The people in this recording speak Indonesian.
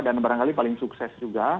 dan barangkali paling sukses